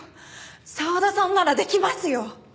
澤田さんならできますよ！